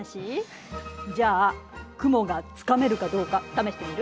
じゃあ雲がつかめるかどうか試してみる？